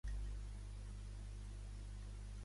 Una següent condecoració pot portar la promoció al següent.